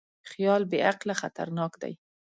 خیال بېعقله خطرناک دی.